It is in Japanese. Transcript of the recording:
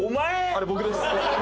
あれ僕です。